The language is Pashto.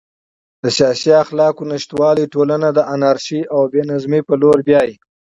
د سیاسي اخلاقو نشتوالی ټولنه د انارشي او بې نظمۍ په لور بیايي.